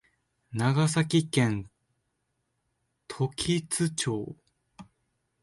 長崎県時津町